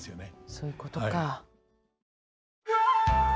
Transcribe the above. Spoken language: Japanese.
そういうことか。